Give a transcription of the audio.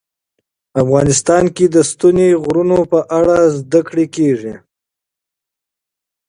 افغانستان کې د ستوني غرونه په اړه زده کړه کېږي.